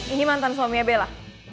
ini mantan suaminya bella